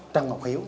trần ngọc hiếu